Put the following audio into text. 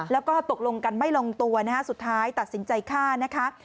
แล้วก็ตกลงกันไม่ลงตัวนะฮะสุดท้ายตัดสินใจฆ่านะคะ